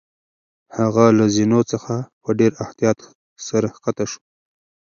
هغه له زینو څخه په ډېر احتیاط سره کښته شوه.